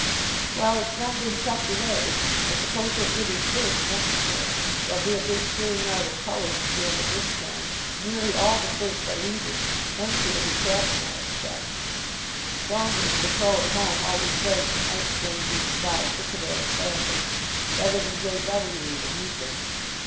"Well, it's not been chucked away. I suppose he'll get his first next year. There'll be a big clearing out of colours at the end of this term. Nearly all the first are leaving. Henfrey'll be captain, I expect." "Saunders, the pro. at home, always says that Mike's going to be the star cricketer of the family. Better than J. W. even, he thinks.